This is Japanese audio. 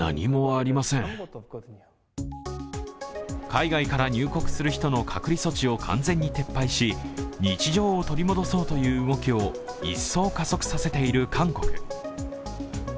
海外から入国する人の隔離措置を完全に撤廃し日常を取り戻そうという動きを一層加速させている韓国。